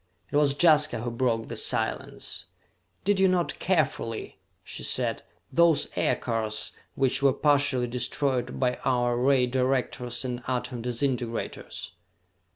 It was Jaska who broke the silence. "Did you note carefully," she said, "those aircars which were partially destroyed by our ray directors and atom disintegrators?"